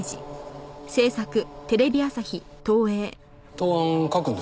答案書くんですか？